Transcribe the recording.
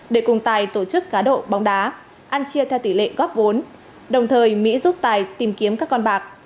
đồng thời mỹ giúp tài tìm kiếm các con bạc